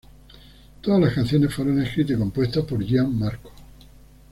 Todas las canciones fueron escritas y compuestas por Gian Marco.